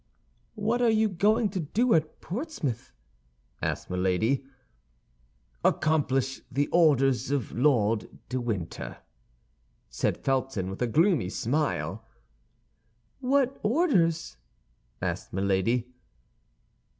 "What are you going to do at Portsmouth?" asked Milady. "Accomplish the orders of Lord de Winter," said Felton, with a gloomy smile. "What orders?" asked Milady.